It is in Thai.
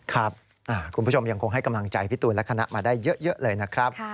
คุณผู้ชมยังคงให้กำลังใจพี่ตูนและคณะมาได้เยอะเลยนะครับ